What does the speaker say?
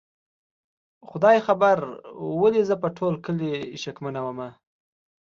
خدای خبر ولې زه په ټول کلي شکمنه ومه؟